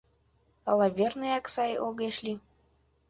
Ала верныяк сай огеш лий